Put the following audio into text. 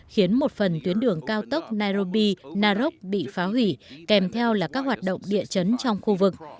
khiến một phần tuyến đường cao tốc nairobi naroc bị phá hủy kèm theo là các hoạt động địa chấn trong khu vực